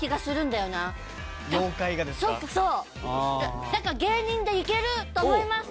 だから芸人でいけると思います！